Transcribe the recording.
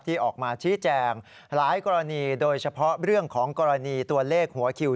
ออกมาชี้แจงหลายกรณีโดยเฉพาะเรื่องของกรณีตัวเลขหัวคิว